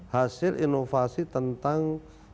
hasil inovasi tentang